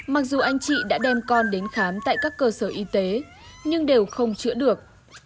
mặc dù anh chị đã đem con đến khám tại các cơ sở y tế nhưng đều không chữa được